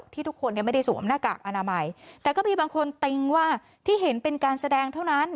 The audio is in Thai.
ทุกคนเนี่ยไม่ได้สวมหน้ากากอนามัยแต่ก็มีบางคนติ๊งว่าที่เห็นเป็นการแสดงเท่านั้น